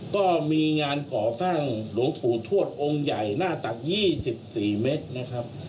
ก็มีงานก่อสร้างหลวงปู่ทวดองค์ใหญ่หน้าตัก๒๔เมตรนะครับ